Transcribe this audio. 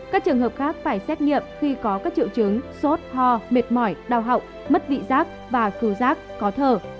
các trường hợp khác phải xét nghiệm khi có các triệu chứng sốt ho mệt mỏi đau hậu mất vị giác và khứ giác có thờ